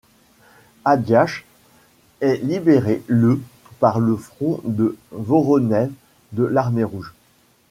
Hadiatch est libérée le par le front de Voronej de l'Armée rouge.